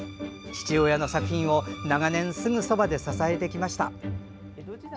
父親の作品を長年すぐそばで支えてきました。